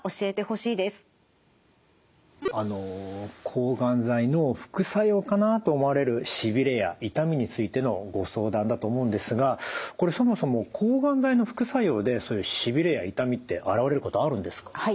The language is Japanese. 抗がん剤の副作用かなと思われるしびれや痛みについてのご相談だと思うんですがこれそもそも抗がん剤の副作用でそういうしびれや痛みって現れることあるんですか？